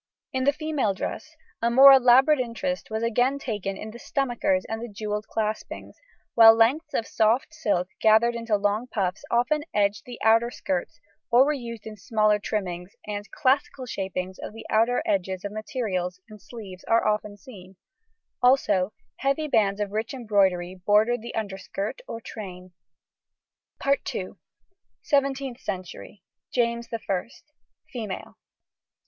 In the female dress a more elaborate interest was again taken in the stomachers and the jewelled claspings, while lengths of soft silk gathered into long puffs often edged the outer skirts or were used in smaller trimmings, and "classical" shapings of the edges of materials and sleeves are often seen, also heavy bands of rich embroidery bordered the underskirt or train. SEVENTEENTH CENTURY. JAMES I. FEMALE.